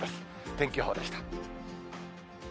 天気予報でした。